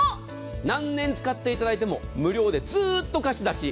何年使っていただいても無料でずっと貸し出し。